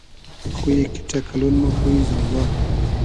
خویی کیݖݖۂ کئلۉن مۉ خویی زۆزاد